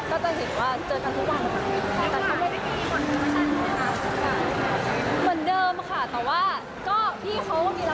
ก็แบบว่าให้พื้นที่พี่เค้าว่าง